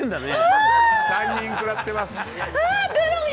３人くらってます。